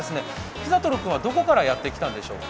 ピザトルくんはどこからやってきたんでしょうか。